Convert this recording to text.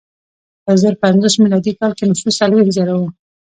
په زر پنځوس میلادي کال کې نفوس څلوېښت زره و.